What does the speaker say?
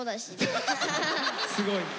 すごいな。